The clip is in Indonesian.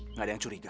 nggak ada yang curiga